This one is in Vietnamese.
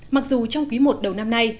mặc dù trong quý i đầu năm nay